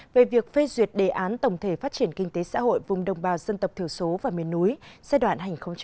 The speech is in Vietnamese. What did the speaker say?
về việc phê duyệt đề án tổng thể phát triển kinh tế xã hội vùng đồng bào dân tộc thiểu số và miền núi giai đoạn hai nghìn hai mươi một hai nghìn ba mươi